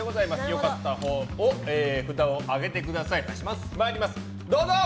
良かったほうの札を上げてください。